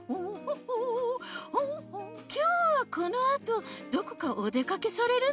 きょうはこのあとどこかおでかけされるんですか？